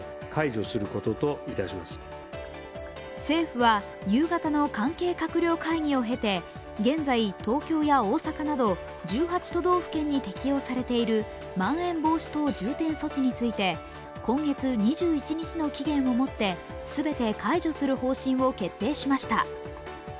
政府は夕方の関係閣僚会議を経て、現在、東京や大阪など１８都道府県に適用されているまん延防止等重点措置について今月２１日の期限をもって全て解除する方針を決定しました。